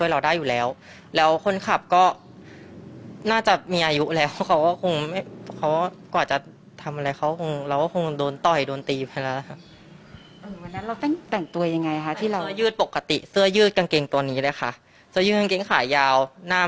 เออวันนั้นเราแต่งตัวยังไงครับที่เราซักครั้ง